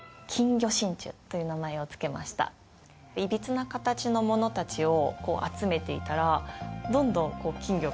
歪な形のものたちを集めていたらどんどん。